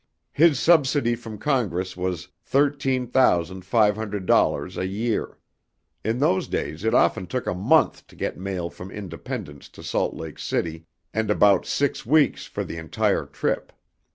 His subsidy from Congress was $13,500.00 a year. In those days it often took a month to get mail from Independence to Salt Lake City, and about six weeks for the entire trip.